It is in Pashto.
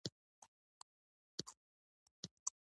خو دنیا څخه په هیله د خیرات دي